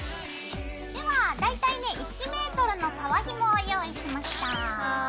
では大体ね１メートルの革ひもを用意しました。